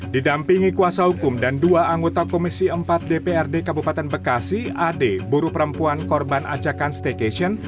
didampingi kuasa hukum dan dua anggota komisi empat dprd kabupaten bekasi ad buruh perempuan korban ajakan staycation